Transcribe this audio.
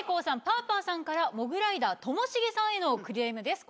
パーパーさんからモグライダーともしげさんへのクレームです